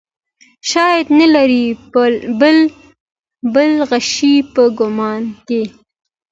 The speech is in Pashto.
شاید نه لرې بل غشی په کمان کې.